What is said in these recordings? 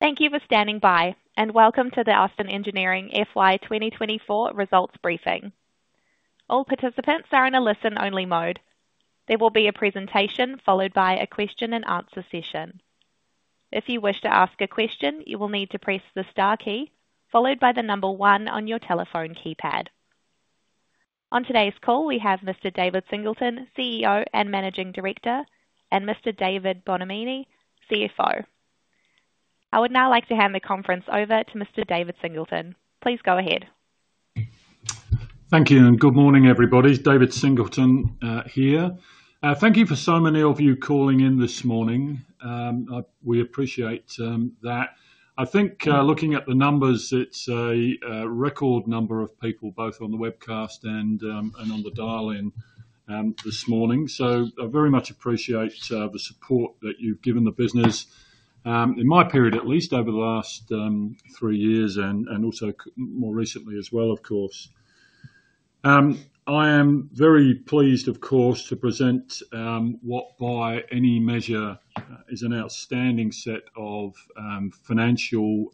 Thank you for standing by, and welcome to the Austin Engineering FY 2024 Results Briefing. All participants are in a listen-only mode. There will be a presentation, followed by a question and answer session. If you wish to ask a question, you will need to press the star key, followed by the number one on your telephone keypad. On today's call, we have Mr. David Singleton, CEO and Managing Director, and Mr. David Bonomini, CFO. I would now like to hand the conference over to Mr. David Singleton. Please go ahead. Thank you, and good morning, everybody. It's David Singleton here. Thank you for so many of you calling in this morning. We appreciate that. I think, looking at the numbers, it's a record number of people, both on the webcast and on the dial-in this morning. So I very much appreciate the support that you've given the business in my period, at least over the last three years and also more recently as well, of course. I am very pleased, of course, to present what by any measure is an outstanding set of financial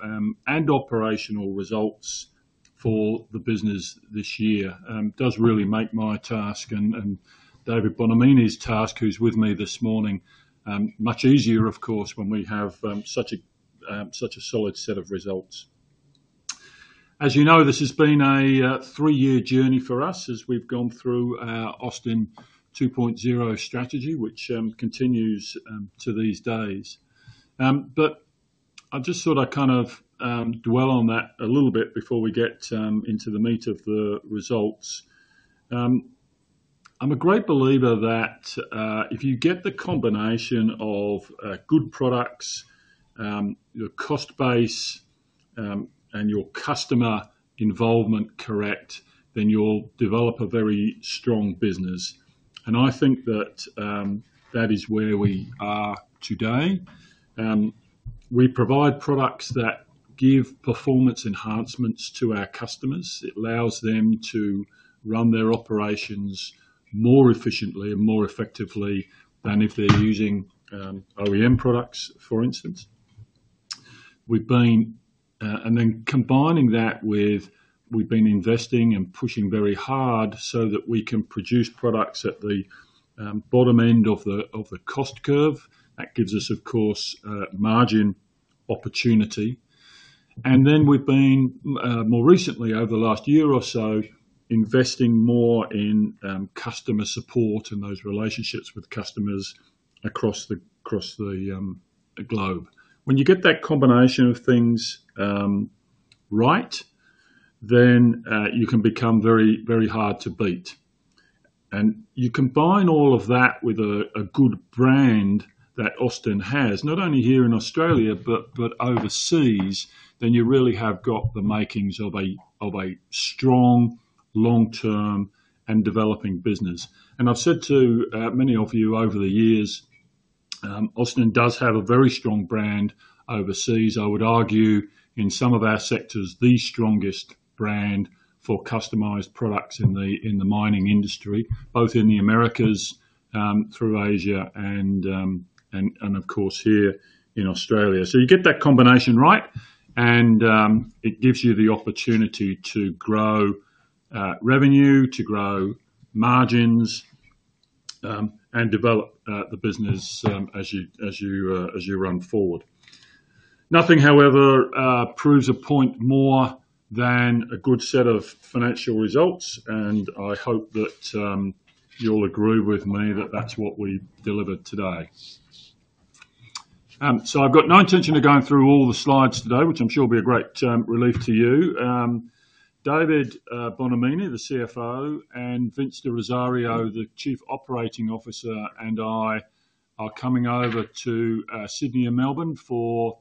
and operational results for the business this year. It does really make my task and David Bonomini's task, who's with me this morning, much easier, of course, when we have such a solid set of results. As you know, this has been a three-year journey for us as we've gone through our Austin 2.0 strategy, which continues to these days. But I just thought I'd kind of dwell on that a little bit before we get into the meat of the results. I'm a great believer that if you get the combination of good products, your cost base, and your customer involvement correct, then you'll develop a very strong business, and I think that that is where we are today. We provide products that give performance enhancements to our customers. It allows them to run their operations more efficiently and more effectively than if they're using OEM products, for instance, and then combining that with, we've been investing and pushing very hard so that we can produce products at the bottom end of the cost curve. That gives us, of course, margin opportunity, and then we've been more recently, over the last year or so, investing more in customer support and those relationships with customers across the globe. When you get that combination of things right, then you can become very, very hard to beat, and you combine all of that with a good brand that Austin has, not only here in Australia, but overseas, then you really have got the makings of a strong, long-term, and developing business. I've said to many of you over the years, Austin does have a very strong brand overseas. I would argue in some of our sectors, the strongest brand for customized products in the mining industry, both in the Americas, through Asia and of course, here in Australia. You get that combination right, and it gives you the opportunity to grow revenue, to grow margins, and develop the business as you run forward. Nothing, however, proves a point more than a good set of financial results, and I hope that you'll agree with me that that's what we delivered today. I've got no intention of going through all the slides today, which I'm sure will be a great relief to you. David Bonomini, the CFO, and Vince D'Rozario, the Chief Operating Officer, and I are coming over to Sydney and Melbourne for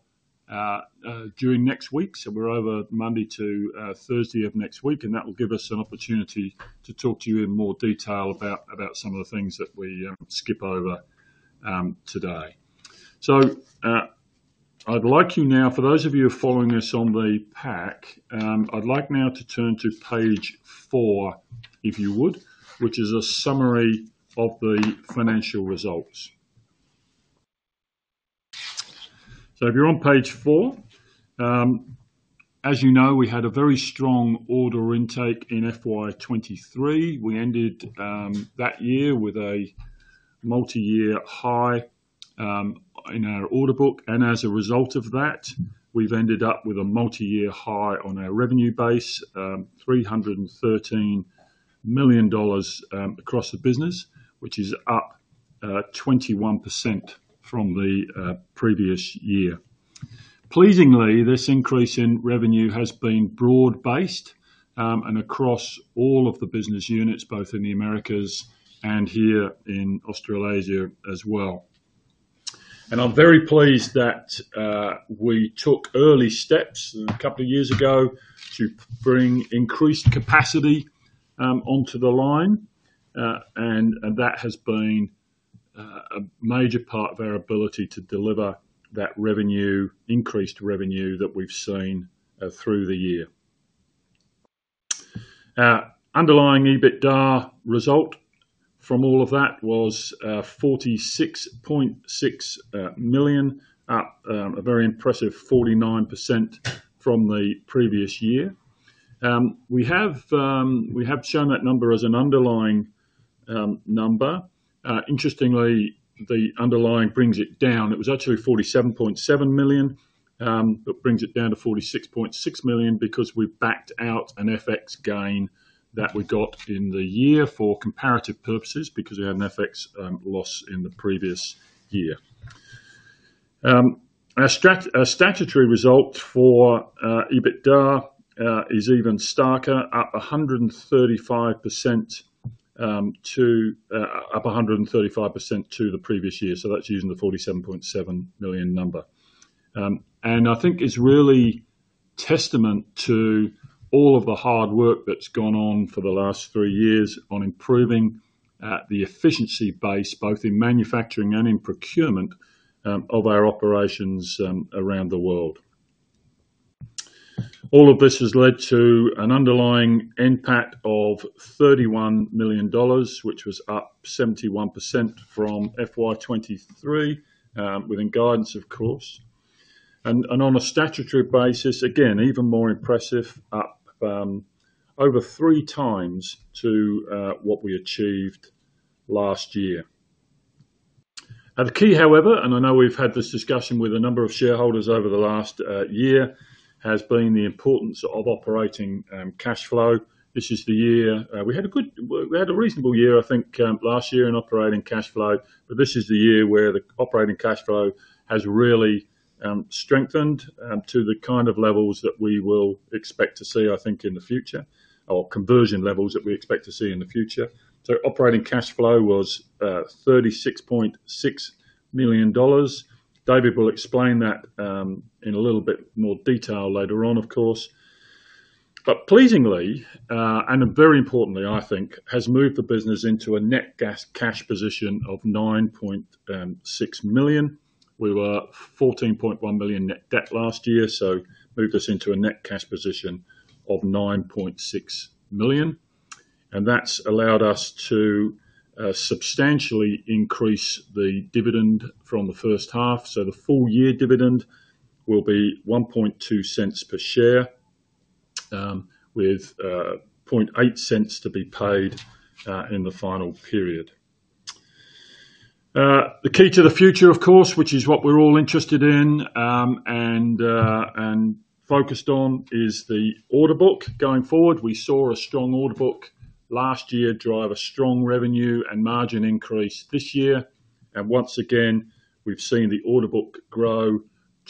during next week. So we're over Monday to Thursday of next week, and that will give us an opportunity to talk to you in more detail about some of the things that we skip over today. So, I'd like you now for those of you who are following us on the pack, I'd like now to turn to page four, if you would, which is a summary of the financial results. So if you're on page four, as you know, we had a very strong order intake in FY 2023. We ended that year with a multi-year high in our order book, and as a result of that, we've ended up with a multi-year high on our revenue base, 313 million dollars across the business, which is up 21% from the previous year. Pleasingly, this increase in revenue has been broad-based and across all of the business units, both in the Americas and here in Australasia as well. And I'm very pleased that we took early steps a couple of years ago to bring increased capacity onto the line, and that has been a major part of our ability to deliver that revenue, increased revenue, that we've seen through the year. Underlying EBITDA result from all of that was 46.6 million, up a very impressive 49% from the previous year. We have shown that number as an underlying number. Interestingly, the underlying brings it down. It was actually 47.7 million, but brings it down to 46.6 million because we backed out an FX gain that we got in the year for comparative purposes, because we had an FX loss in the previous year. Our statutory result for EBITDA is even starker, up 135% to the previous year. So that's using the 47.7 million number. And I think it's really testament to all of the hard work that's gone on for the last three years on improving the efficiency base, both in manufacturing and in procurement of our operations around the world. All of this has led to an underlying NPAT of 31 million dollars, which was up 71% from FY 2023, within guidance, of course. And on a statutory basis, again, even more impressive, up over three times to what we achieved last year. Now, the key, however, and I know we've had this discussion with a number of shareholders over the last year, has been the importance of operating cash flow. This is the year... We had a reasonable year, I think, last year in operating cash flow, but this is the year where the operating cash flow has really strengthened to the kind of levels that we will expect to see, I think, in the future, or conversion levels that we expect to see in the future, so operating cash flow was 36.6 million dollars. David will explain that in a little bit more detail later on, of course, but pleasingly, and very importantly, I think, has moved the business into a net cash position of 9.6 million. We were 14.1 million net debt last year, so moved us into a net cash position of 9.6 million, and that's allowed us to substantially increase the dividend from the first half. So the full year dividend will be 0.012 per share, with 0.008 to be paid in the final period. The key to the future, of course, which is what we're all interested in, and focused on, is the order book. Going forward, we saw a strong order book last year drive a strong revenue and margin increase this year. And once again, we've seen the order book grow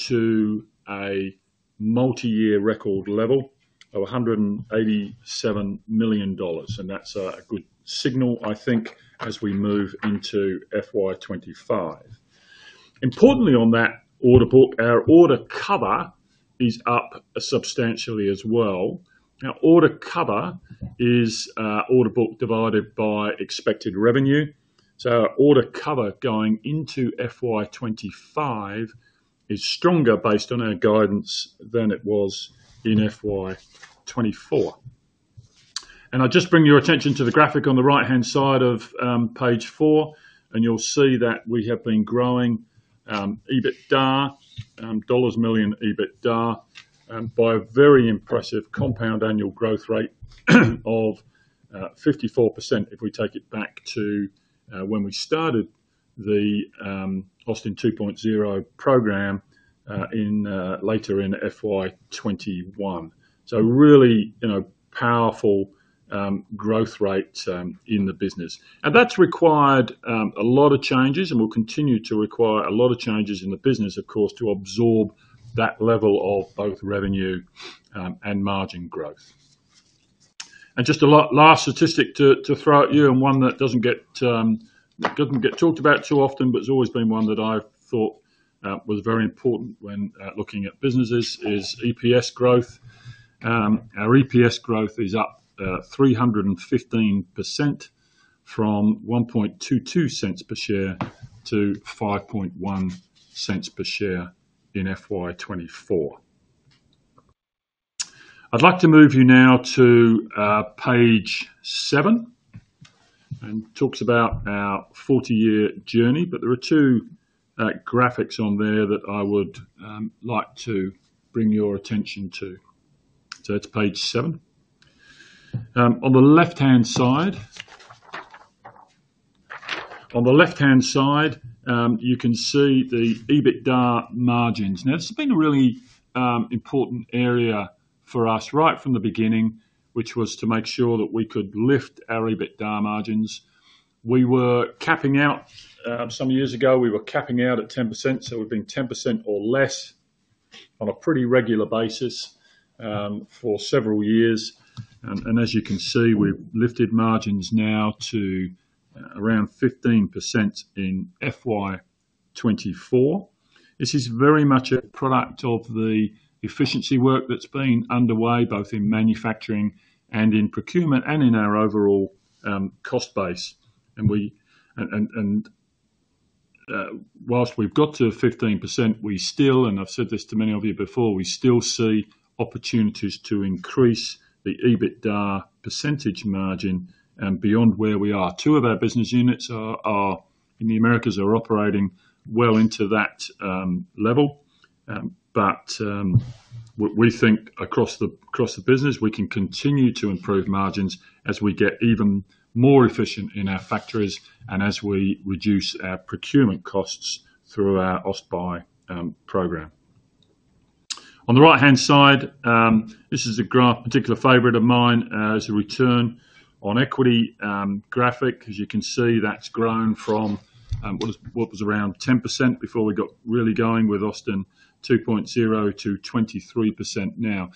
to a multiyear record level of 187 million dollars, and that's a good signal, I think, as we move into FY 2025. Importantly, on that order book, our order cover is up substantially as well. Now, order cover is order book divided by expected revenue. So our order cover going into FY 2025 is stronger based on our guidance than it was in FY 2024. I'll just bring your attention to the graphic on the right-hand side of page four, and you'll see that we have been growing EBITDA, million dollars EBITDA, by a very impressive compound annual growth rate of 54%, if we take it back to when we started the Austin 2.0 program in later in FY 2021. So really, you know, powerful growth rates in the business. And that's required a lot of changes and will continue to require a lot of changes in the business, of course, to absorb that level of both revenue and margin growth. And just last statistic to throw at you, and one that doesn't get talked about too often, but it's always been one that I've thought was very important when looking at businesses, is EPS growth. Our EPS growth is up 315% from 0.0122 per share to 0.051 per share in FY 2024. I'd like to move you now to page seven, and it talks about our 40-year journey, but there are two graphics on there that I would like to bring your attention to. So it's page seven. On the left-hand side, you can see the EBITDA margins. Now, this has been a really important area for us right from the beginning, which was to make sure that we could lift our EBITDA margins. We were capping out some years ago, we were capping out at 10%, so we've been 10% or less on a pretty regular basis for several years. And as you can see, we've lifted margins now to around 15% in FY 2024. This is very much a product of the efficiency work that's been underway, both in manufacturing and in procurement, and in our overall cost base. And whilst we've got to 15%, we still, and I've said this to many of you before, we still see opportunities to increase the EBITDA percentage margin and beyond where we are. Two of our business units are in the Americas, are operating well into that level. But what we think across the business, we can continue to improve margins as we get even more efficient in our factories and as we reduce our procurement costs through our AustBuy program. On the right-hand side, this is a graph, particular favorite of mine, as a return on equity graphic. As you can see, that's grown from what was around 10% before we got really going with Austin 2.0 to 23% now.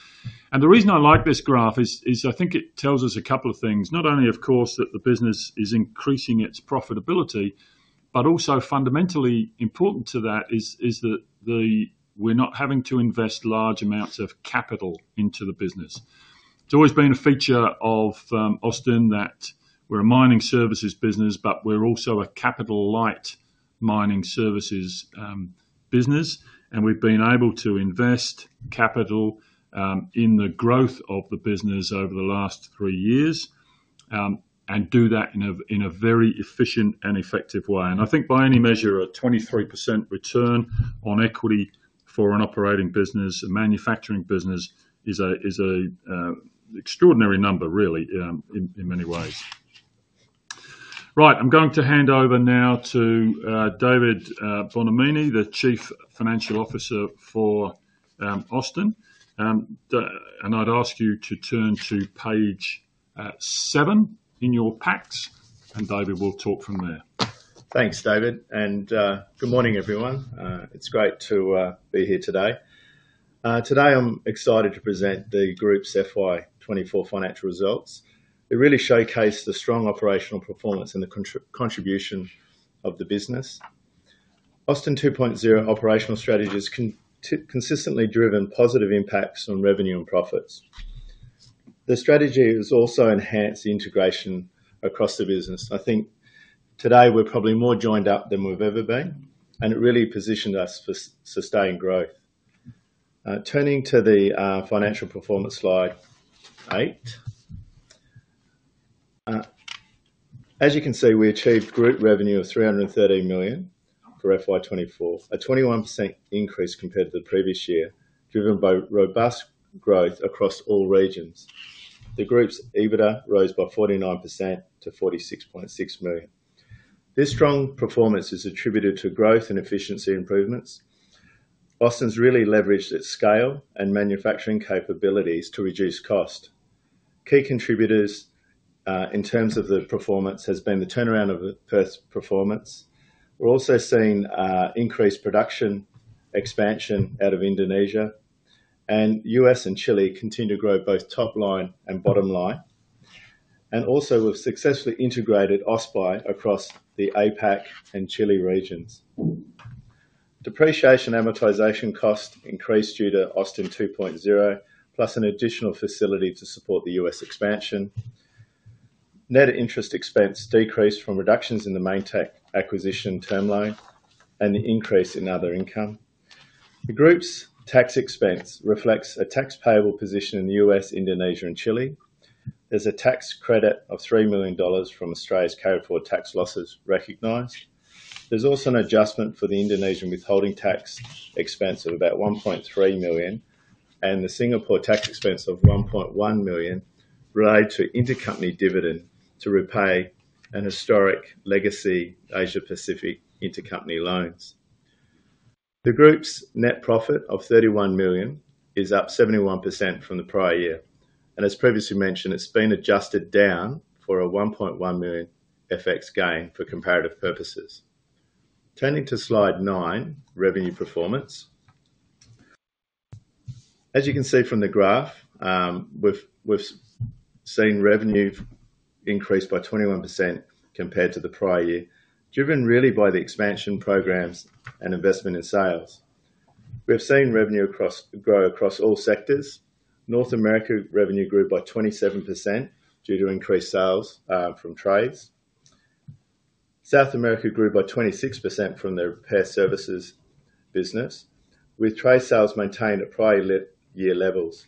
The reason I like this graph is I think it tells us a couple of things. Not only, of course, that the business is increasing its profitability, but also fundamentally important to that is that we're not having to invest large amounts of capital into the business. It's always been a feature of Austin that we're a mining services business, but we're also a capital light mining services business, and we've been able to invest capital in the growth of the business over the last three years and do that in a very efficient and effective way. And I think by any measure, a 23% return on equity for an operating business, a manufacturing business, is an extraordinary number, really, in many ways. Right. I'm going to hand over now to David Bonomini, the Chief Financial Officer for Austin. And I'd ask you to turn to page seven in your packs, and David will talk from there. Thanks, David, and good morning, everyone. It's great to be here today. Today, I'm excited to present the group's FY 2024 financial results. It really showcased the strong operational performance and the contribution of the business. Austin 2.0 operational strategy has consistently driven positive impacts on revenue and profits. The strategy has also enhanced the integration across the business. I think today we're probably more joined up than we've ever been, and it really positioned us for sustained growth. Turning to the financial performance, slide 8. As you can see, we achieved group revenue of 313 million for FY 2024, a 21% increase compared to the previous year, driven by robust growth across all regions. The group's EBITDA rose by 49% to 46.6 million. This strong performance is attributed to growth and efficiency improvements. Austin's really leveraged its scale and manufacturing capabilities to reduce cost. Key contributors, in terms of the performance, has been the turnaround of the Perth performance. We're also seeing increased production expansion out of Indonesia, and U.S. and Chile continue to grow both top line and bottom line, and also, we've successfully integrated AustBuy across the APAC and Chile regions. Depreciation amortization cost increased due to Austin 2.0, plus an additional facility to support the U.S. expansion. Net interest expense decreased from reductions in the Mainetec acquisition term loan and an increase in other income. The group's tax expense reflects a tax payable position in the U.S., Indonesia and Chile. There's a tax credit of 3 million dollars from Australia's carry forward tax losses recognized. There's also an adjustment for the Indonesian withholding tax expense of about 1.3 million, and the Singapore tax expense of 1.1 million related to intercompany dividend to repay an historic legacy Asia Pacific intercompany loans. The group's net profit of 31 million is up 71% from the prior year, and as previously mentioned, it's been adjusted down for a 1.1 million FX gain for comparative purposes. Turning to slide nine, revenue performance. As you can see from the graph, we've seen revenue increase by 21% compared to the prior year, driven really by the expansion programs and investment in sales. We have seen revenue grow across all sectors. North America revenue grew by 27% due to increased sales from trays. South America grew by 26% from the repair services business, with tray sales maintained at prior year levels.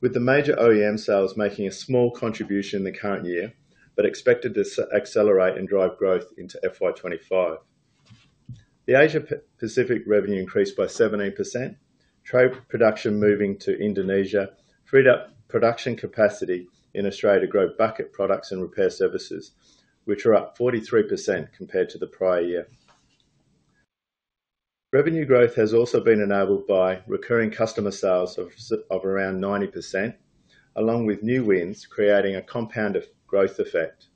With the major OEM sales making a small contribution in the current year, but expected to accelerate and drive growth into FY 2025. The Asia Pacific revenue increased by 17%. Tray production moving to Indonesia, freed up production capacity in Australia to grow bucket products and repair services, which are up 43% compared to the prior year. Revenue growth has also been enabled by recurring customer sales of around 90%, along with new wins, creating a compound of growth effect.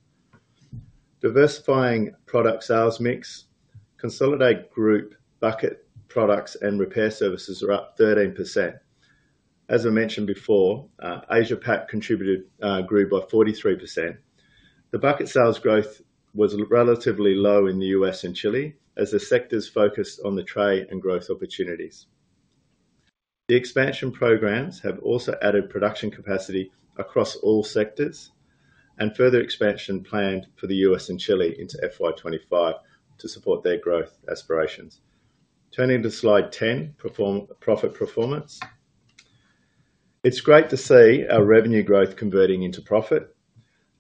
Diversifying product sales mix, consolidate group bucket products and repair services are up 13%. As I mentioned before, Asia Pac contributed, grew by 43%. The bucket sales growth was relatively low in the U.S. and Chile as the sectors focused on the tray and growth opportunities. The expansion programs have also added production capacity across all sectors, and further expansion planned for the U.S. and Chile into FY 2025 to support their growth aspirations. Turning to slide 10, profit performance. It's great to see our revenue growth converting into profit.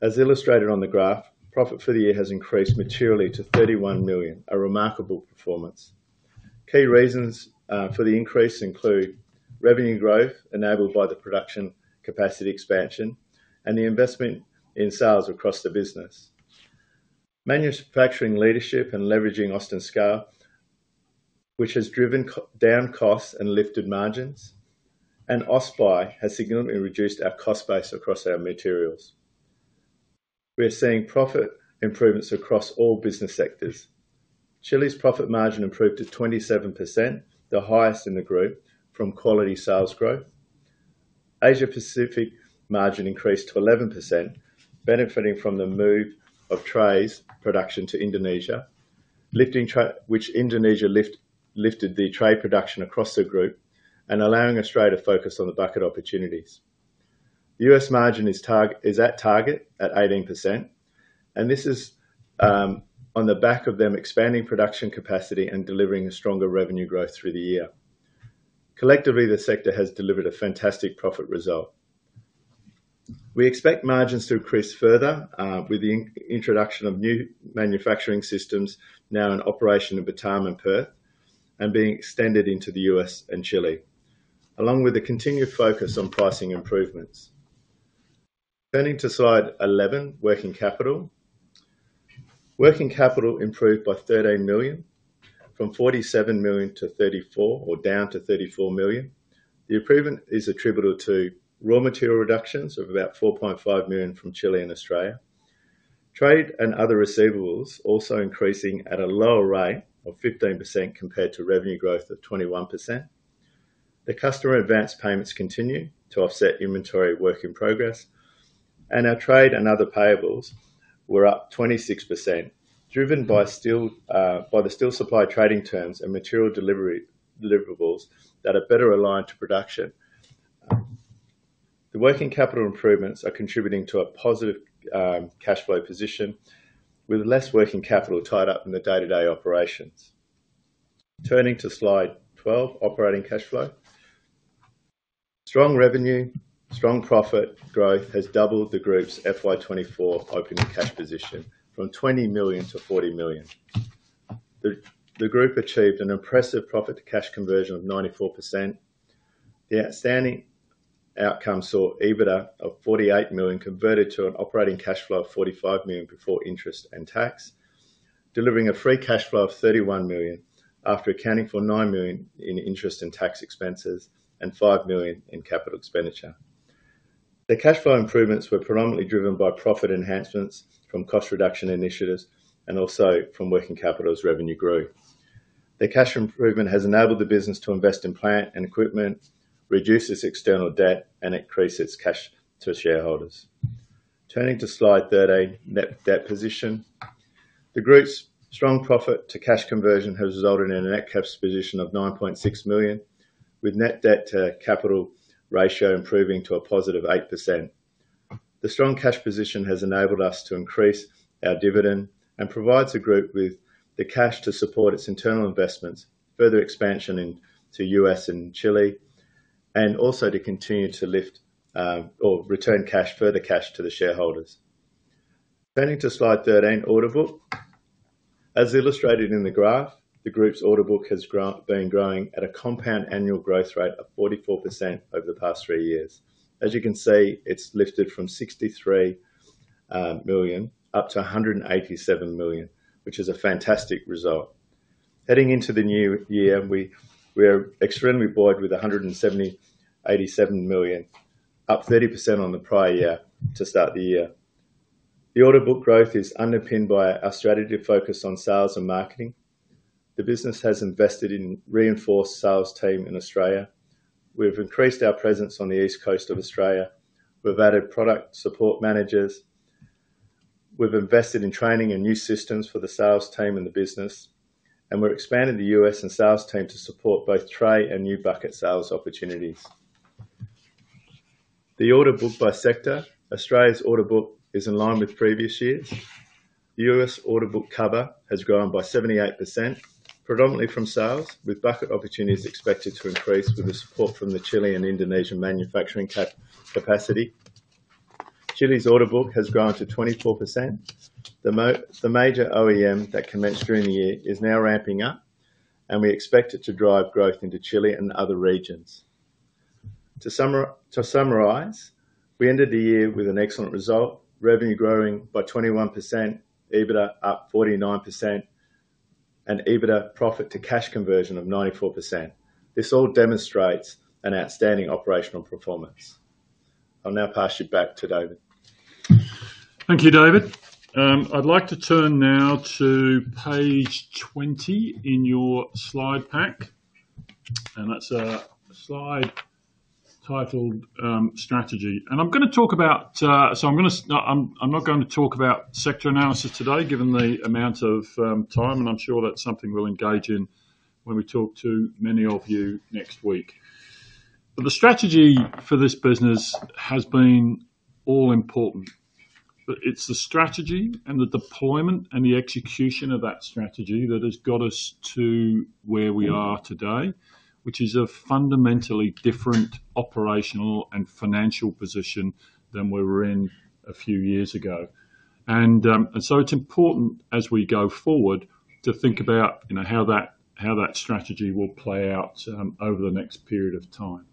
As illustrated on the graph, profit for the year has increased materially to 31 million, a remarkable performance. Key reasons for the increase include revenue growth enabled by the production capacity expansion and the investment in sales across the business. Manufacturing leadership and leveraging Austin scale, which has driven costs down and lifted margins, and AustBuy has significantly reduced our cost base across our materials. We are seeing profit improvements across all business sectors. Chile's profit margin improved to 27%, the highest in the group, from quality sales growth. Asia Pacific margin increased to 11%, benefiting from the move of trays production to Indonesia, lifting, which lifted the tray production across the group and allowing Australia to focus on the bucket opportunities. The U.S. margin is at target at 18%, and this is on the back of them expanding production capacity and delivering a stronger revenue growth through the year. Collectively, the sector has delivered a fantastic profit result. We expect margins to increase further, with the introduction of new manufacturing systems now in operation in Batam and Perth, and being extended into the U.S. and Chile, along with a continued focus on pricing improvements. Turning to slide 11, working capital. Working capital improved by 13 million, from 47 million to 34 million. The improvement is attributable to raw material reductions of about 4.5 million from Chile and Australia. Trade and other receivables also increasing at a lower rate of 15% compared to revenue growth of 21%. The customer advanced payments continue to offset inventory work in progress, and our trade and other payables were up 26%, driven by still by the steel supply trading terms and material delivery, deliverables that are better aligned to production. The working capital improvements are contributing to a positive cash flow position, with less working capital tied up in the day-to-day operations. Turning to Slide 12, operating cash flow. Strong revenue, strong profit growth has doubled the group's FY 2024 opening cash position from 20 million to 40 million. The group achieved an impressive profit to cash conversion of 94%. The outstanding outcome saw EBITDA of 48 million converted to an operating cash flow of 45 million before interest and tax, delivering a free cash flow of 31 million after accounting for 9 million in interest and tax expenses and 5 million in capital expenditure. The cash flow improvements were predominantly driven by profit enhancements from cost reduction initiatives and also from working capital as revenue grew. The cash improvement has enabled the business to invest in plant and equipment, reduces external debt, and increases cash to shareholders. Turning to Slide 13, net debt position. The group's strong profit to cash conversion has resulted in a net cash position of 9.6 million, with net debt to capital ratio improving to a +8%. The strong cash position has enabled us to increase our dividend and provides the group with the cash to support its internal investments, further expansion into U.S. and Chile, and also to continue to lift or return cash, further cash to the shareholders. Turning to Slide 13, order book. As illustrated in the graph, the group's order book has been growing at a compound annual growth rate of 44% over the past three years. As you can see, it's lifted from 63 million up to 187 million, which is a fantastic result. Heading into the new year, we are extremely pleased with 187 million, up 30% on the prior year to start the year. The order book growth is underpinned by our strategic focus on sales and marketing. The business has invested in reinforced sales team in Australia. We've increased our presence on the East Coast of Australia. We've added product support managers. We've invested in training and new systems for the sales team and the business, and we're expanding the U.S. and sales team to support both tray and new bucket sales opportunities. The order book by sector. Australia's order book is in line with previous years. U.S. order book cover has grown by 78%, predominantly from sales, with bucket opportunities expected to increase with the support from the Chile and Indonesian manufacturing capacity. Chile's order book has grown to 24%. The major OEM that commenced during the year is now ramping up, and we expect it to drive growth into Chile and other regions. To summarize, we ended the year with an excellent result, revenue growing by 21%, EBITDA up 49%, and EBITDA profit to cash conversion of 94%. This all demonstrates an outstanding operational performance. I'll now pass you back to David. Thank you, David. I'd like to turn now to page 20 in your slide pack, and that's titled Strategy. And I'm gonna talk about, so I'm not going to talk about sector analysis today, given the amount of time, and I'm sure that's something we'll engage in when we talk to many of you next week. But the strategy for this business has been all important. But it's the strategy and the deployment, and the execution of that strategy that has got us to where we are today, which is a fundamentally different operational and financial position than we were in a few years ago. And so it's important as we go forward, to think about, you know, how that strategy will play out over the next period of time.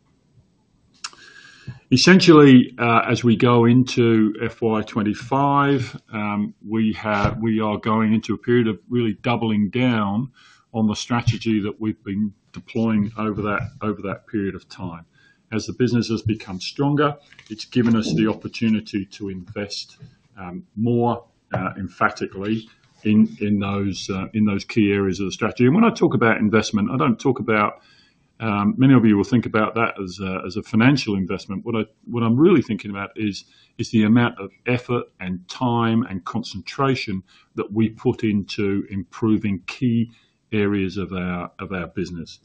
Essentially, as we go into FY 2025, we are going into a period of really doubling down on the strategy that we've been deploying over that, over that period of time. As the business has become stronger, it's given us the opportunity to invest more emphatically in those key areas of the strategy. And when I talk about investment, I don't talk about many of you will think about that as a financial investment. What I'm really thinking about is the amount of effort and time, and concentration that we put into improving key areas of our business.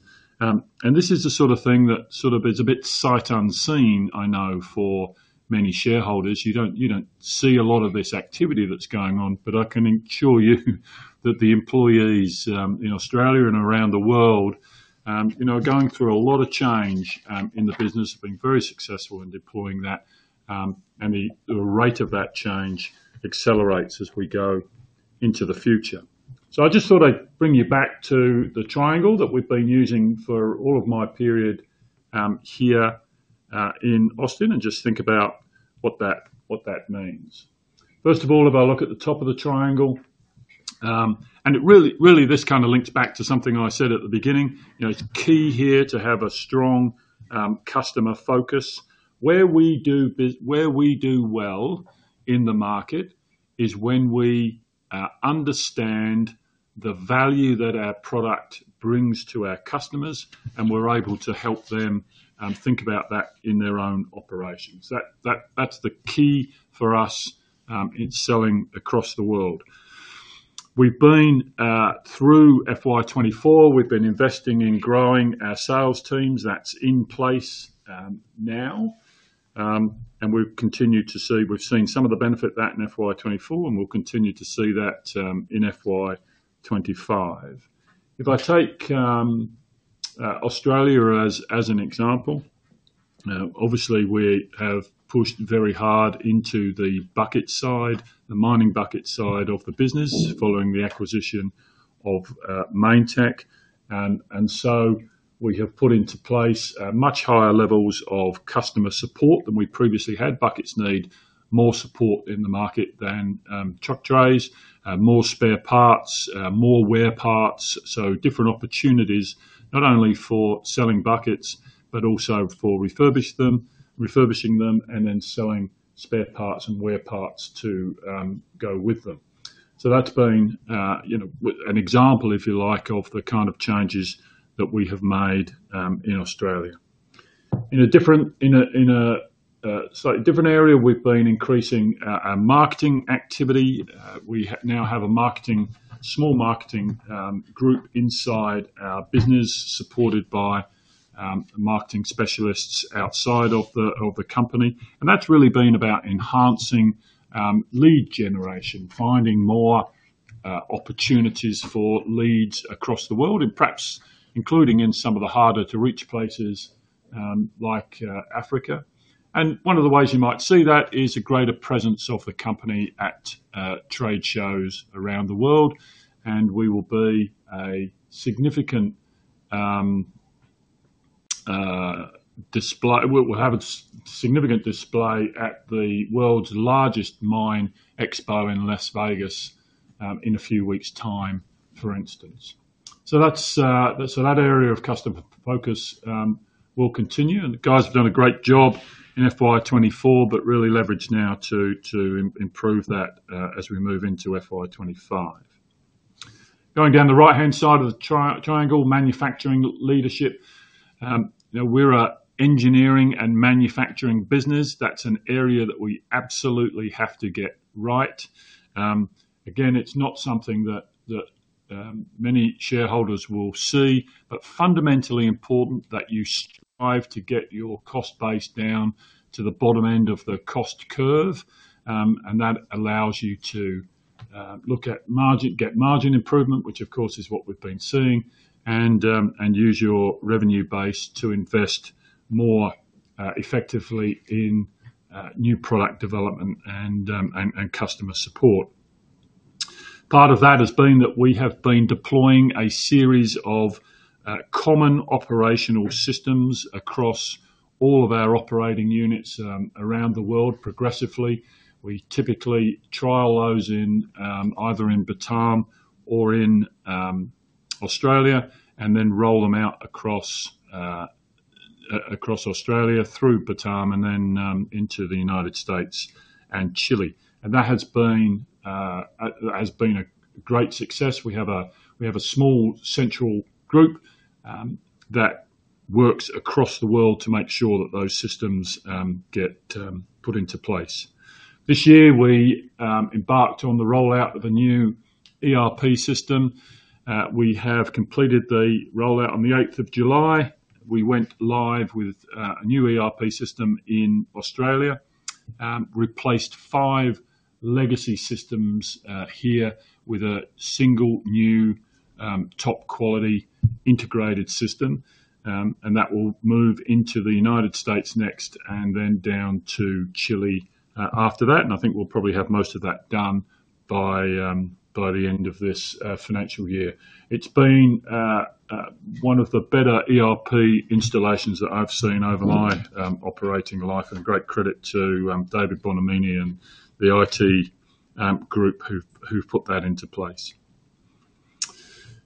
This is the sort of thing that sort of is a bit sight unseen, I know, for many shareholders. You don't, you don't see a lot of this activity that's going on, but I can assure you that the employees in Australia and around the world, you know, are going through a lot of change in the business. They have been very successful in deploying that, and the rate of that change accelerates as we go into the future. I just thought I'd bring you back to the triangle that we've been using for all of my period here in Austin, and just think about what that means. First of all, if I look at the top of the triangle, and it really, really, this kinda links back to something I said at the beginning. You know, it's key here to have a strong customer focus. Where we do well in the market is when we understand the value that our product brings to our customers, and we're able to help them think about that in their own operations. That, that's the key for us in selling across the world. We've been through FY 2024, we've been investing in growing our sales teams. That's in place now. And we've seen some of the benefit of that in FY 2024, and we'll continue to see that in FY 2025. If I take Australia as an example, obviously, we have pushed very hard into the bucket side, the mining bucket side of the business, following the acquisition of Mainetec. We have put into place much higher levels of customer support than we previously had. Buckets need more support in the market than truck trays, more spare parts, more wear parts. Different opportunities, not only for selling buckets, but also for refurbishing them, and then selling spare parts and wear parts to go with them. That's been, you know, an example, if you like, of the kind of changes that we have made in Australia. In a slightly different area, we've been increasing our marketing activity. We now have a small marketing group inside our business, supported by marketing specialists outside of the company. And that's really been about enhancing, lead generation, finding more, opportunities for leads across the world, and perhaps including in some of the harder-to-reach places, like, Africa. One of the ways you might see that is a greater presence of the company at trade shows around the world, and we will have a significant display at the world's largest MINExpo in Las Vegas, in a few weeks' time, for instance. So that's so that area of customer focus will continue, and the guys have done a great job in FY 2024, but really leverage now to improve that, as we move into FY 2025. Going down the right-hand side of the triangle, manufacturing leadership. You know, we're a engineering and manufacturing business. That's an area that we absolutely have to get right. Again, it's not something that many shareholders will see, but fundamentally important that you strive to get your cost base down to the bottom end of the cost curve. And that allows you to look at margin, get margin improvement, which, of course, is what we've been seeing, and use your revenue base to invest more effectively in new product development and customer support. Part of that has been that we have been deploying a series of common operational systems across all of our operating units around the world progressively. We typically trial those in either in Batam or in Australia, and then roll them out across Australia, through Batam, and then into the United States and Chile. And that has been a great success. We have a small central group that works across the world to make sure that those systems get put into place. This year, we embarked on the rollout of a new ERP system. We have completed the rollout on the eighth of July. We went live with a new ERP system in Australia, replaced five legacy systems here with a single new top-quality integrated system. And that will move into the United States next, and then down to Chile after that. And I think we'll probably have most of that done by the end of this financial year. It's been one of the better ERP installations that I've seen over my operating life, and a great credit to David Bonomini and the IT group, who put that into place.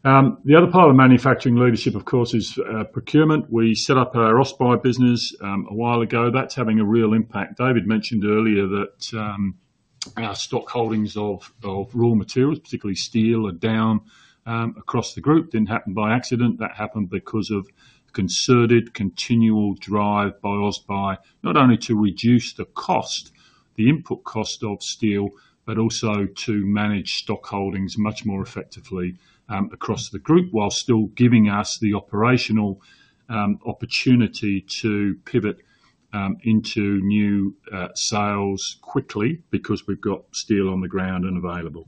The other part of manufacturing leadership, of course, is procurement. We set up our AustBuy business a while ago. That's having a real impact. David mentioned earlier that our stock holdings of raw materials, particularly steel, are down across the group. Didn't happen by accident. That happened because of concerted, continual drive by AustBuy, not only to reduce the cost, the input cost of steel, but also to manage stock holdings much more effectively across the group, while still giving us the operational opportunity to pivot into new sales quickly because we've got steel on the ground and available.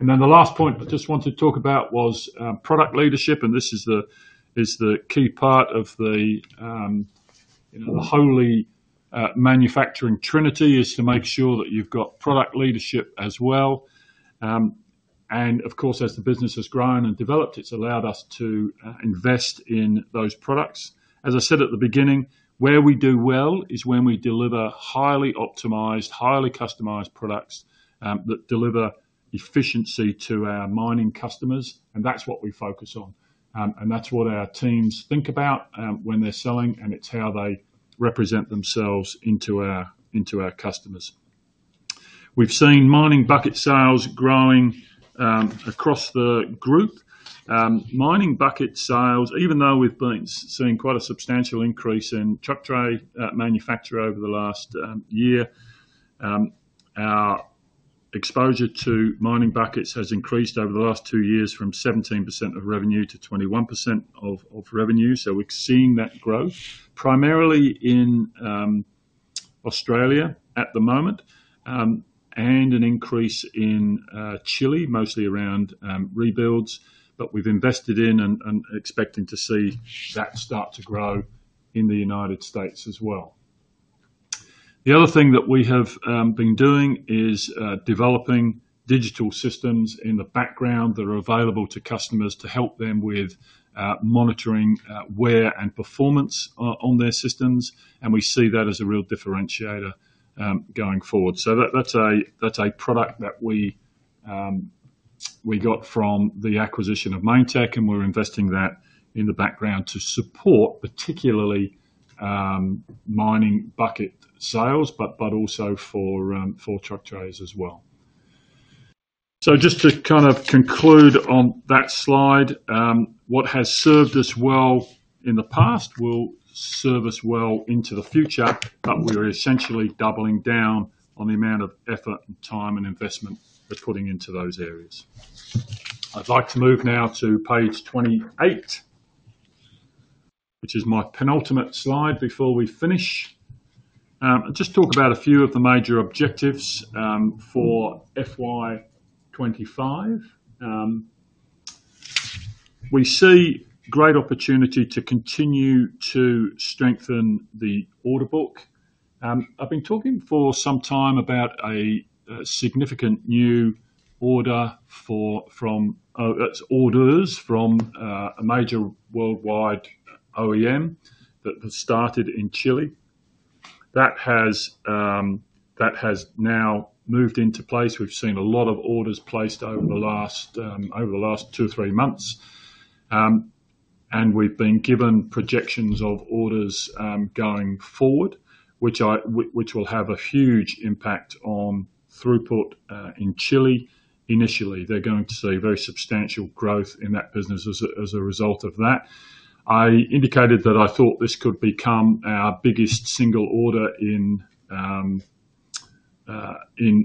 And then the last point I just wanted to talk about was product leadership, and this is the key part of the, you know, the holy manufacturing trinity, is to make sure that you've got product leadership as well. And of course, as the business has grown and developed, it's allowed us to invest in those products. As I said at the beginning, where we do well is when we deliver highly optimized, highly customized products that deliver efficiency to our mining customers, and that's what we focus on. And that's what our teams think about when they're selling, and it's how they represent themselves into our customers. We've seen mining bucket sales growing across the group. Mining bucket sales, even though we've been seeing quite a substantial increase in truck tray manufacture over the last year, our exposure to mining buckets has increased over the last two years from 17% of revenue to 21% of revenue. So we're seeing that growth, primarily in Australia at the moment, and an increase in Chile, mostly around rebuilds, but we've invested in and expecting to see that start to grow in the United States as well. The other thing that we have been doing is developing digital systems in the background that are available to customers to help them with monitoring wear and performance on their systems, and we see that as a real differentiator going forward. So that's a product that we got from the acquisition of Mainetec, and we're investing that in the background to support, particularly, mining bucket sales, but also for truck trays as well. So just to kind of conclude on that slide, what has served us well in the past will serve us well into the future, but we're essentially doubling down on the amount of effort and time, and investment we're putting into those areas. I'd like to move now to page 28, which is my penultimate slide before we finish, and just talk about a few of the major objectives for FY 2025. We see great opportunity to continue to strengthen the order book. I've been talking for some time about a significant new orders from a major worldwide OEM that has started in Chile. That has now moved into place. We've seen a lot of orders placed over the last two or three months. And we've been given projections of orders going forward, which will have a huge impact on throughput in Chile. Initially, they're going to see very substantial growth in that business as a result of that. I indicated that I thought this could become our biggest single order in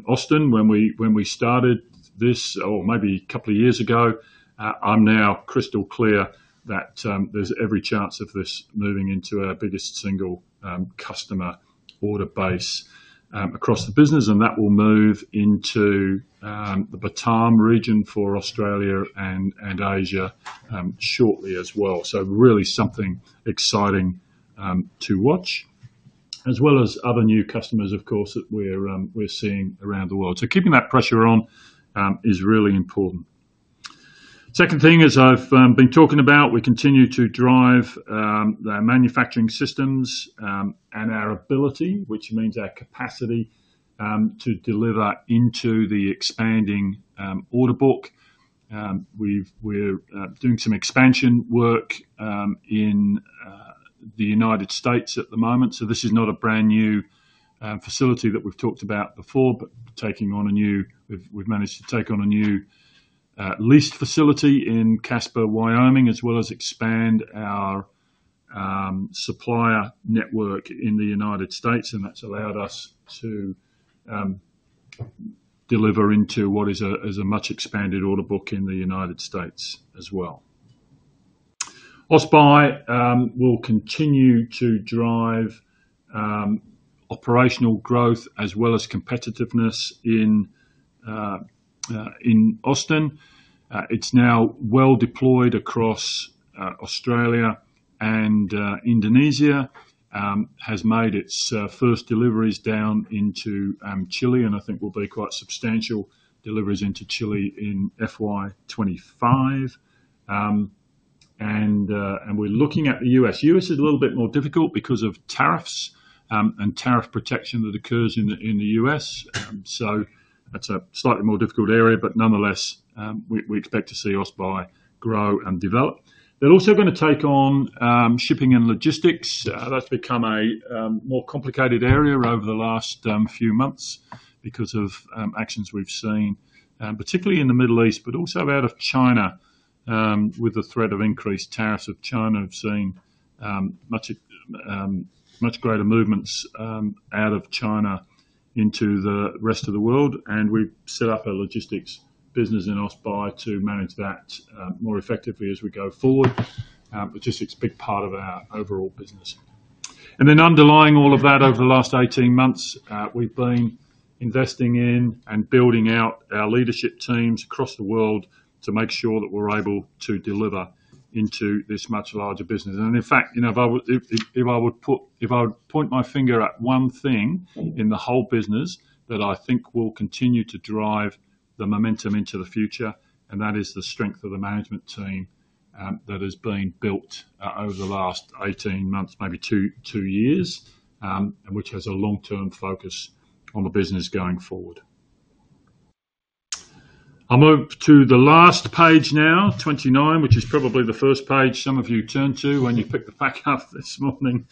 Austin when we started this, or maybe a couple of years ago. I'm now crystal clear that there's every chance of this moving into our biggest single customer order base across the business, and that will move into the Batam region for Australia and Asia shortly as well. So really something exciting to watch, as well as other new customers, of course, that we're seeing around the world. So keeping that pressure on is really important. Second thing, as I've been talking about, we continue to drive our manufacturing systems and our ability, which means our capacity, to deliver into the expanding order book. We're doing some expansion work in the United States at the moment, so this is not a brand new facility that we've talked about before, but we've managed to take on a new lease facility in Casper, Wyoming, as well as expand our supplier network in the United States, and that's allowed us to deliver into what is a much expanded order book in the United States as well. AustBuy will continue to drive operational growth as well as competitiveness in Austin. It's now well deployed across Australia, and Indonesia has made its first deliveries down into Chile, and I think will be quite substantial deliveries into Chile in FY 2025. And we're looking at the U.S. U.S. is a little bit more difficult because of tariffs, and tariff protection that occurs in the U.S., so that's a slightly more difficult area, but nonetheless, we expect to see AustBuy grow and develop. They're also gonna take on shipping and logistics. That's become a more complicated area over the last few months because of actions we've seen, particularly in the Middle East, but also out of China, with the threat of increased tariffs of China. We've seen much greater movements out of China into the rest of the world, and we've set up a logistics business in AustBuy to manage that more effectively as we go forward. Logistics is a big part of our overall business. And then underlying all of that, over the last 18 months, we've been investing in and building out our leadership teams across the world to make sure that we're able to deliver into this much larger business. And in fact, you know, if I would point my finger at one thing in the whole business that I think will continue to drive the momentum into the future, and that is the strength of the management team that has been built over the last eighteen months, maybe two years, and which has a long-term focus on the business going forward. I'll move to the last page now, 29, which is probably the first page some of you turned to when you picked the pack up this morning.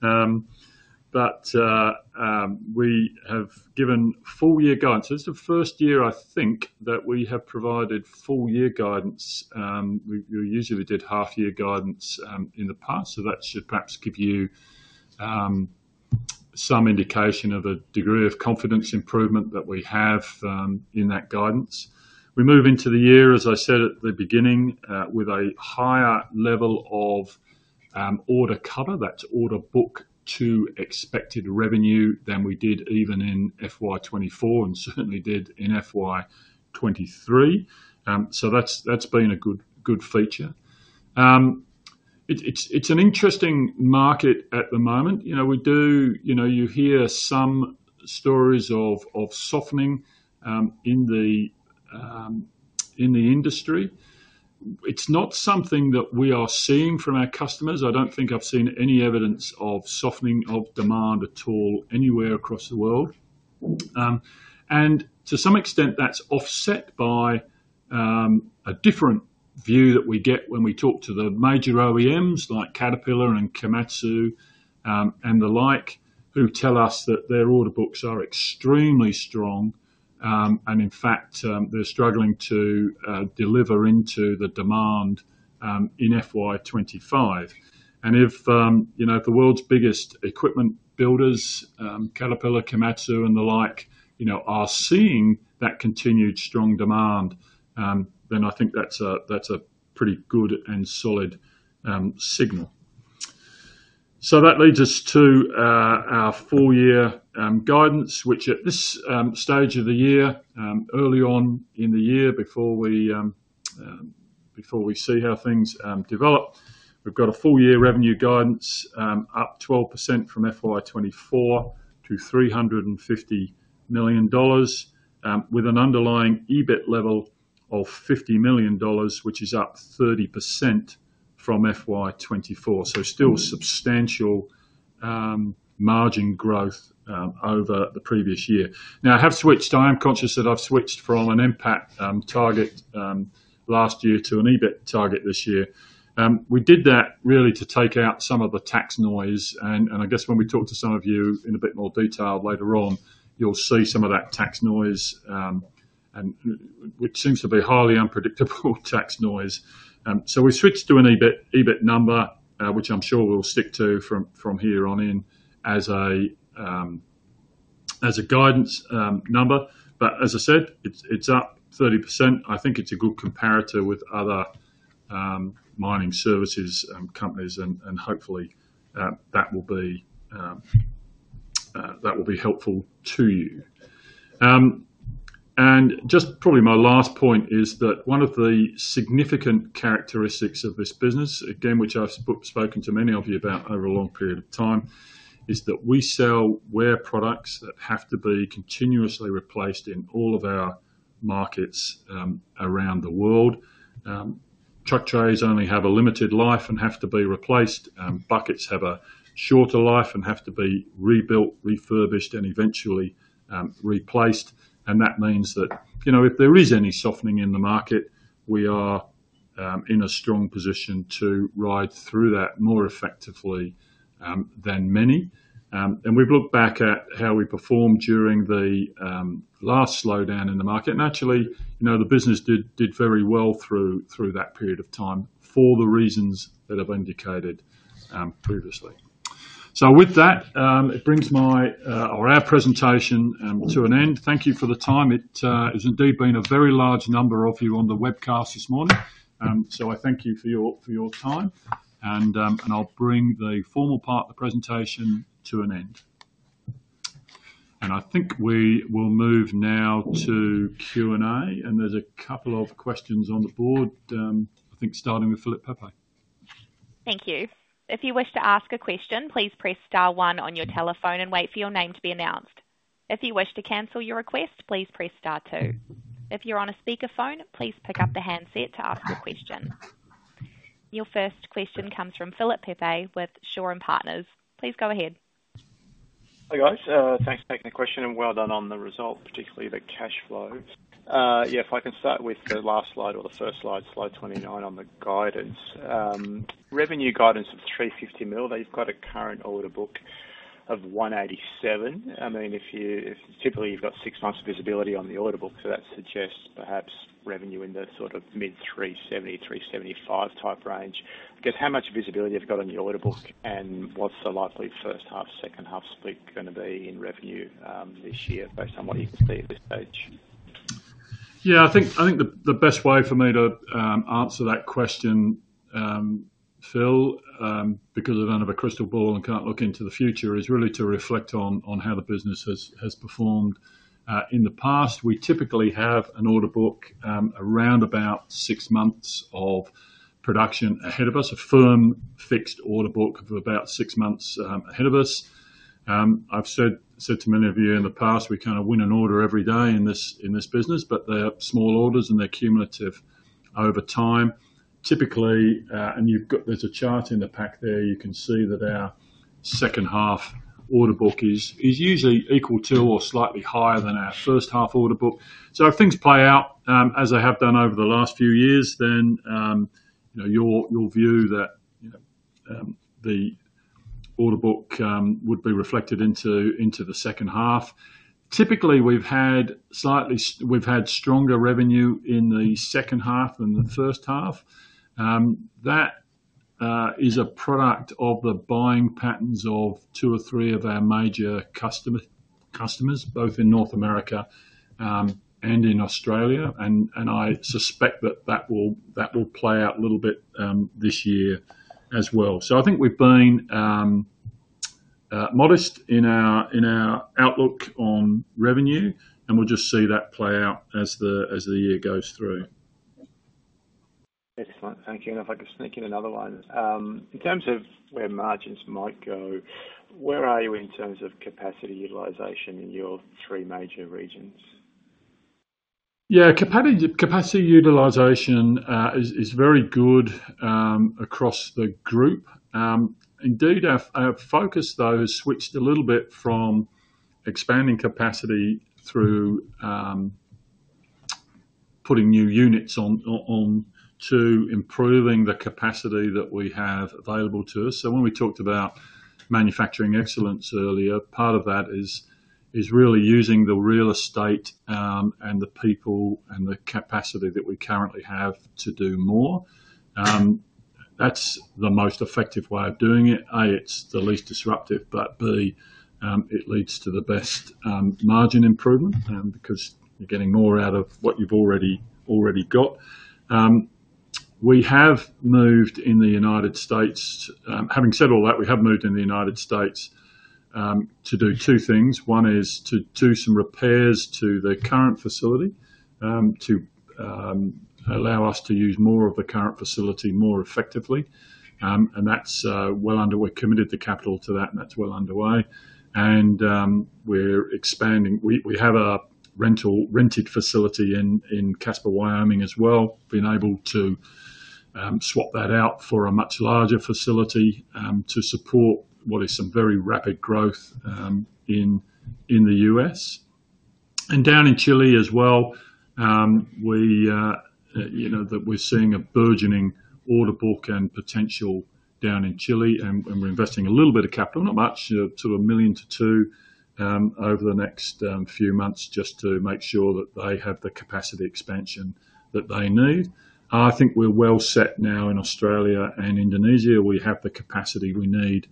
But we have given full year guidance. So this is the first year, I think, that we have provided full year guidance. We usually did half year guidance in the past, so that should perhaps give you some indication of a degree of confidence improvement that we have in that guidance. We move into the year, as I said at the beginning, with a higher level of order cover, that's order book to expected revenue than we did even in FY 2024, and certainly did in FY 2023. So that's, that's been a good, good feature. It's, it's an interesting market at the moment. You know, we do. You know, you hear some stories of softening in the industry. It's not something that we are seeing from our customers. I don't think I've seen any evidence of softening of demand at all, anywhere across the world. And to some extent, that's offset by a different view that we get when we talk to the major OEMs, like Caterpillar and Komatsu, and the like, who tell us that their order books are extremely strong, and in fact, they're struggling to deliver into the demand in FY 2025. And if you know, the world's biggest equipment builders, Caterpillar, Komatsu, and the like, you know, are seeing that continued strong demand, then I think that's a, that's a pretty good and solid signal. So that leads us to our full year guidance, which at this stage of the year early on in the year before we see how things develop, we've got a full year revenue guidance up 12% from FY 2024 to AUD 350 million, with an underlying EBIT level of 50 million dollars, which is up 30% from FY 2024. So still substantial margin growth over the previous year. Now, I have switched. I am conscious that I've switched from an NPAT target last year to an EBIT target this year. We did that really to take out some of the tax noise, and I guess when we talk to some of you in a bit more detail later on, you'll see some of that tax noise, and which seems to be highly unpredictable tax noise, so we switched to an EBIT number, which I'm sure we'll stick to from here on in as a guidance number, but as I said, it's up 30%. I think it's a good comparator with other mining services companies, and hopefully that will be helpful to you. And just probably my last point is that one of the significant characteristics of this business, again, which I've spoken to many of you about over a long period of time, is that we sell wear products that have to be continuously replaced in all of our markets around the world. Truck trays only have a limited life and have to be replaced, and buckets have a shorter life and have to be rebuilt, refurbished, and eventually replaced. And that means that, you know, if there is any softening in the market, we are in a strong position to ride through that more effectively than many. And we've looked back at how we performed during the last slowdown in the market. Actually, you know, the business did very well through that period of time for the reasons that I've indicated previously. With that, it brings my or our presentation to an end. Thank you for the time. It has indeed been a very large number of you on the webcast this morning. I thank you for your time, and I'll bring the formal part of the presentation to an end. I think we will move now to Q&A, and there's a couple of questions on the board, I think starting with Philip Pepe. Thank you. If you wish to ask a question, please press star one on your telephone and wait for your name to be announced. If you wish to cancel your request, please press star two. If you're on a speakerphone, please pick up the handset to ask your question. Your first question comes from Philip Pepe with Shaw and Partners. Please go ahead. Hi, guys. Thanks for taking the question, and well done on the result, particularly the cash flow. Yeah, if I can start with the last slide or the first slide, slide 29 on the guidance. Revenue guidance of 350 million, but you've got a current order book of 187. I mean, typically, you've got six months of visibility on the order book, so that suggests perhaps revenue in the sort of mid-370, 375 type range. I guess, how much visibility have you got on the order book, and what's the likely first half, second half split gonna be in revenue, this year, based on what you can see at this stage? Yeah, I think the best way for me to answer that question, Phil, because I don't have a crystal ball and can't look into the future, is really to reflect on how the business has performed in the past. We typically have an order book around about six months of production ahead of us, a firm fixed order book of about six months ahead of us. I've said to many of you in the past, we kind of win an order every day in this business, but they are small orders, and they're cumulative over time. Typically, and you've got a chart in the pack there. You can see that our second-half order book is usually equal to or slightly higher than our first-half order book. So if things play out as they have done over the last few years, then you know your view that the order book would be reflected into the second half. Typically, we've had stronger revenue in the second half than the first half. That is a product of the buying patterns of two or three of our major customers, both in North America and in Australia. And I suspect that will play out a little bit this year as well. So I think we've been modest in our outlook on revenue, and we'll just see that play out as the year goes through. Excellent. Thank you. And if I could sneak in another one. In terms of where margins might go, where are you in terms of capacity utilization in your three major regions? Yeah, capacity utilization is very good across the group. Indeed, our focus, though, has switched a little bit from expanding capacity through putting new units on to improving the capacity that we have available to us. So when we talked about manufacturing excellence earlier, part of that is really using the real estate and the people, and the capacity that we currently have to do more. That's the most effective way of doing it. A, it's the least disruptive, but B, it leads to the best margin improvement because you're getting more out of what you've already got. Having said all that, we have moved in the United States to do two things. One is to do some repairs to the current facility, to allow us to use more of the current facility more effectively. And that's well underway. We committed the capital to that. And we're expanding. We have a rented facility in Casper, Wyoming, as well. Been able to swap that out for a much larger facility to support what is some very rapid growth in the U.S. And down in Chile as well, we you know that we're seeing a burgeoning order book and potential down in Chile, and we're investing a little bit of capital, not much, to a million or two over the next few months, just to make sure that they have the capacity expansion that they need. I think we're well set now in Australia and Indonesia. We have the capacity we need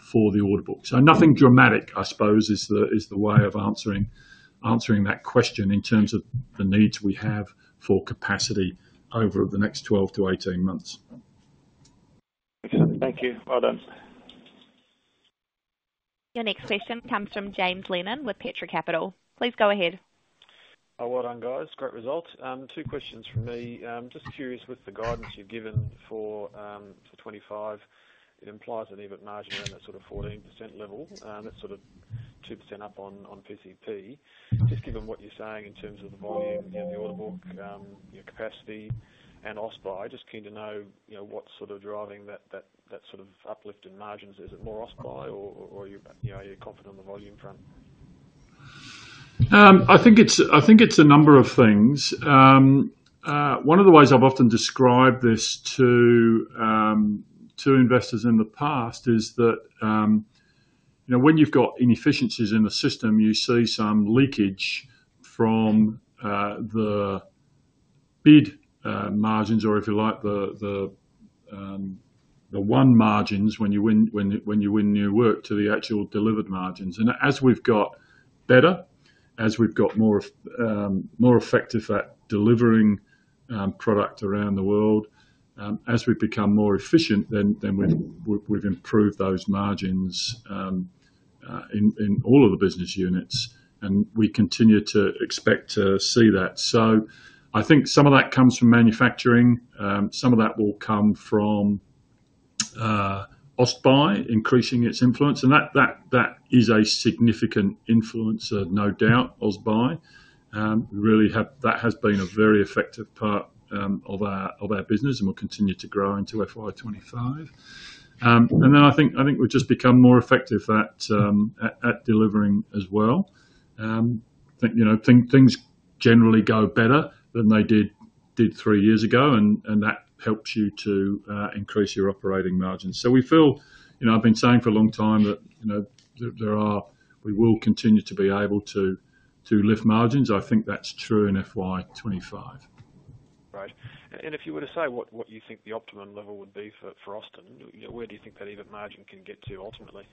for the order book. So nothing dramatic, I suppose, is the way of answering that question in terms of the needs we have for capacity over the next 12 to 18 months. Excellent. Thank you. Well done. Your next question comes from James Lennon with Petra Capital. Please go ahead.... Oh, well done, guys, great results. Two questions from me. Just curious, with the guidance you've given for to 2025, it implies an EBIT margin around that sort of 14% level. That's sort of 2% up on PCP. Just given what you're saying in terms of the volume, you know, the order book, your capacity and AustBuy, I'm just keen to know, you know, what's sort of driving that sort of uplift in margins. Is it more AustBuy or are you, you know, are you confident on the volume front? I think it's a number of things. One of the ways I've often described this to investors in the past is that, you know, when you've got inefficiencies in the system, you see some leakage from the bid margins, or, if you like, the won margins when you win new work to the actual delivered margins. As we've got better, as we've got more effective at delivering product around the world, as we've become more efficient, then we've improved those margins in all of the business units, and we continue to expect to see that. So I think some of that comes from manufacturing, some of that will come from AustBuy increasing its influence, and that is a significant influencer, no doubt, AustBuy. Really, that has been a very effective part of our business and will continue to grow into FY 2025, and then I think we've just become more effective at delivering as well. You know, things generally go better than they did three years ago, and that helps you to increase your operating margins. So we feel. You know, I've been saying for a long time that, you know, there are we will continue to be able to lift margins. I think that's true in FY 2025. Right. And if you were to say what you think the optimum level would be for Austin, where do you think that EBIT margin can get to, ultimately?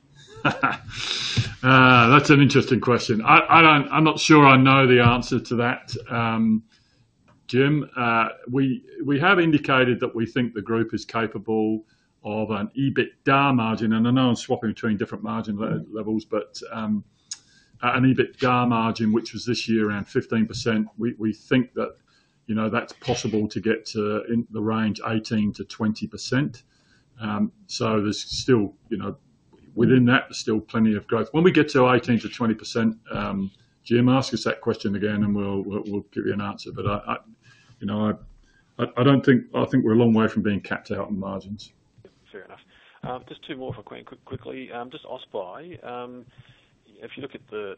That's an interesting question. I, I don't. I'm not sure I know the answer to that, Jim. We have indicated that we think the group is capable of an EBITDA margin, and I know I'm swapping between different margin levels, but an EBITDA margin, which was this year around 15%, we think that, you know, that's possible to get to, in the range 18%-20%. So there's still, you know, within that, there's still plenty of growth. When we get to 18%-20%, Jim, ask us that question again, and we'll give you an answer. But I, you know, I don't think. I think we're a long way from being capped out on margins. Fair enough. Just two more, quickly. Just AustBuy. If you look at the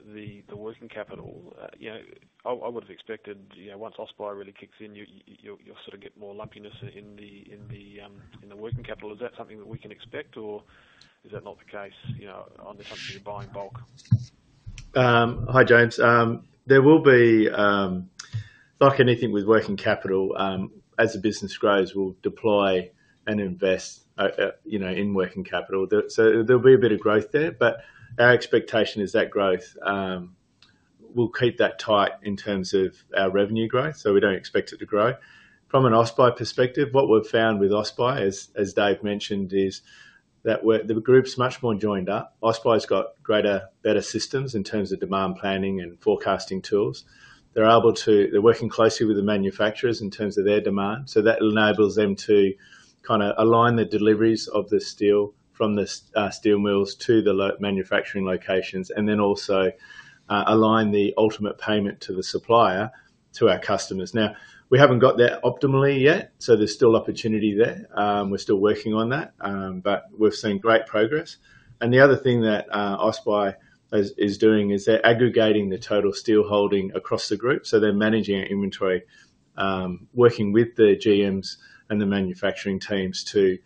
working capital, you know, I would have expected, you know, once AustBuy really kicks in, you'll sort of get more lumpiness in the working capital. Is that something that we can expect, or is that not the case, you know, on the company you buy in bulk? Hi, James. There will be, like anything with working capital, as the business grows, we'll deploy and invest, you know, in working capital. So there'll be a bit of growth there, but our expectation is that growth, we'll keep that tight in terms of our revenue growth, so we don't expect it to grow. From an AustBuy perspective, what we've found with AustBuy, as Dave mentioned, is that the group's much more joined up. AustBuy's got greater, better systems in terms of demand planning and forecasting tools. They're working closely with the manufacturers in terms of their demand, so that enables them to kinda align the deliveries of the steel from the steel mills to the manufacturing locations, and then also align the ultimate payment to the supplier, to our customers. Now, we haven't got there optimally yet, so there's still opportunity there. We're still working on that, but we've seen great progress. And the other thing that AustBuy is doing is they're aggregating the total steel holding across the group, so they're managing our inventory, working with the GMs and the manufacturing teams to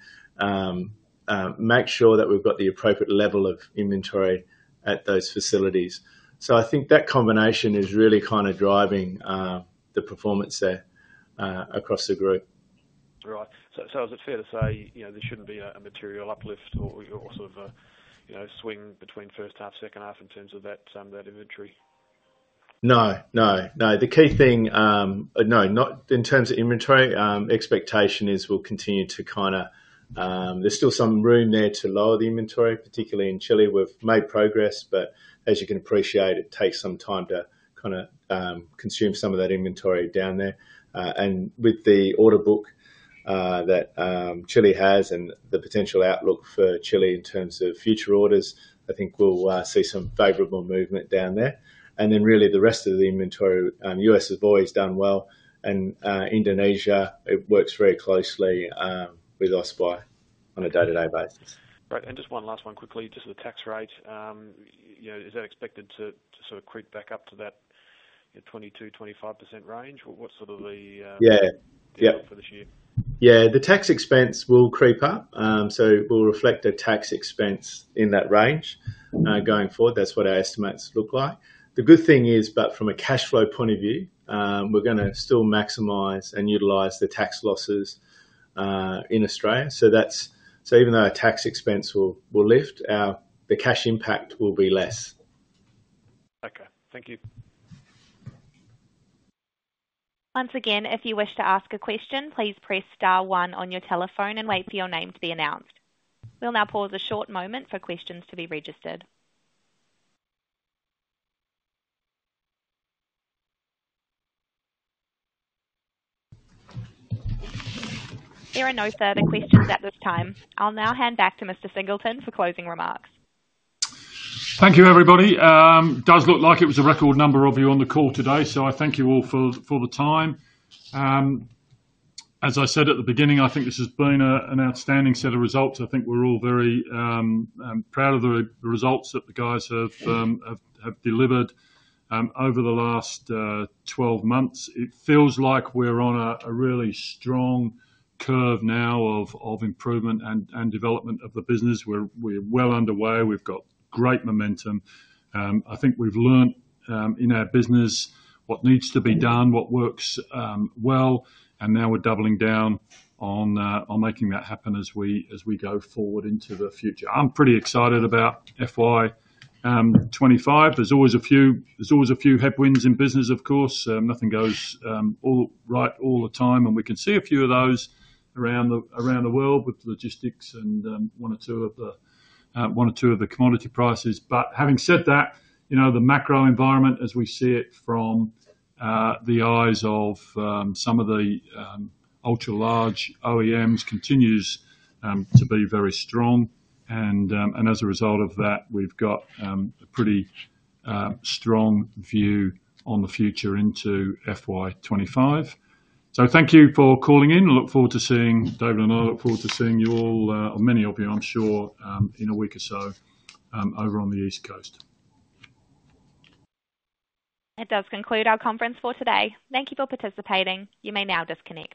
make sure that we've got the appropriate level of inventory at those facilities. So I think that combination is really kinda driving the performance there across the group. Right. So, is it fair to say, you know, there shouldn't be a material uplift or sort of a, you know, swing between first half, second half in terms of that inventory? No, no, no. The key thing. No, not in terms of inventory, expectation is we'll continue to kinda, there's still some room there to lower the inventory, particularly in Chile. We've made progress, but as you can appreciate, it takes some time to kinda consume some of that inventory down there. And with the order book, that Chile has and the potential outlook for Chile in terms of future orders, I think we'll see some favorable movement down there. And then really, the rest of the inventory, U.S. has always done well, and Indonesia, it works very closely with AustBuy on a day-to-day basis. Right. And just one last one quickly, just on the tax rate. You know, is that expected to sort of creep back up to that 22%-25% range? Or what's sort of the Yeah. Deal for this year? Yeah, the tax expense will creep up. So we'll reflect a tax expense in that range, going forward. That's what our estimates look like. The good thing is, but from a cash flow point of view, we're gonna still maximize and utilize the tax losses in Australia. So that's. So even though our tax expense will lift, our, the cash impact will be less. Okay, thank you.... Once again, if you wish to ask a question, please press star one on your telephone and wait for your name to be announced. We'll now pause a short moment for questions to be registered. There are no further questions at this time. I'll now hand back to Mr. Singleton for closing remarks. Thank you, everybody. Does look like it was a record number of you on the call today, so I thank you all for the time. As I said at the beginning, I think this has been a an outstanding set of results. I think we're all very proud of the results that the guys have delivered over the last twelve months. It feels like we're on a really strong curve now of improvement and development of the business. We're well underway. We've got great momentum. I think we've learned in our business what needs to be done, what works well, and now we're doubling down on making that happen as we go forward into the future. I'm pretty excited about FY 2025. There's always a few headwinds in business, of course. Nothing goes all right all the time, and we can see a few of those around the world with logistics and one or two of the commodity prices. But having said that, you know, the macro environment as we see it from the eyes of some of the ultra large OEMs continues to be very strong and as a result of that, we've got a pretty strong view on the future into FY 2025. So thank you for calling in. I look forward to seeing... David, and I look forward to seeing you all or many of you, I'm sure, in a week or so over on the East Coast. That does conclude our conference for today. Thank you for participating. You may now disconnect.